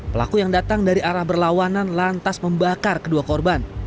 pelaku yang datang dari arah berlawanan lantas membakar kedua korban